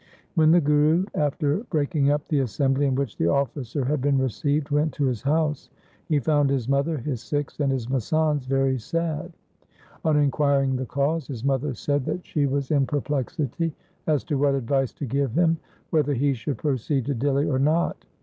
When the Guru, after breaking up the assembly in which the officer had been received, went to his house, he found his mother, his Sikhs, and his masands very sad. On inquiring the cause, his mother said that she was in perplexity as to what advice to give him, whether he should proceed to Dihli or not.